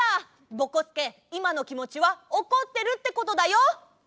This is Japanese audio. ぼこすけいまのきもちはおこってるってことだよ！